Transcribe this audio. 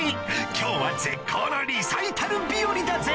今日は絶好のリサイタル日和だぜ！